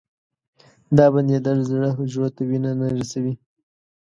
دا بندېدل زړه حجرو ته وینه نه رسوي.